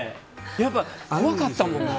やっぱり怖かったもん。